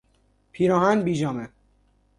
پیراهن پیژامه